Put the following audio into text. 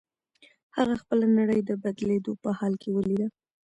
هغه خپله نړۍ د بدلېدو په حال کې وليده.